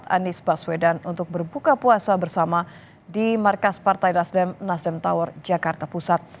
anies baswedan untuk berbuka puasa bersama di markas partai nasdem tower jakarta pusat